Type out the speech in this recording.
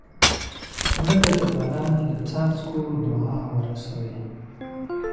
مړه ته د باران د څاڅکو دعا ورسوې